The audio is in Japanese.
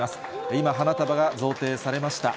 今、花束が贈呈されました。